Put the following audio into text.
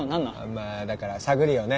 まあだから探るよね。